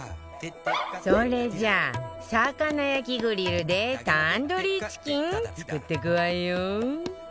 それじゃあ魚焼きグリルでタンドリーチキン作っていくわよ